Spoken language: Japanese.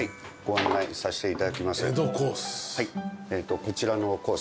こちらのコース